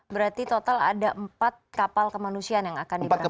berarti total ada empat kapal kemanusiaan yang akan diberangkatkan